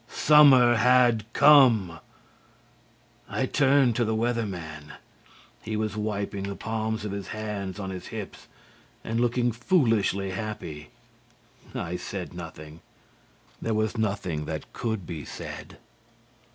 Summer had come! I turned to the Weather Man. He was wiping the palms of his hands on his hips and looking foolishly happy. I said nothing. There was nothing that could be said.